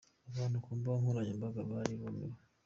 Abantu ku mbuga nkoranyambaga bari bumiwe.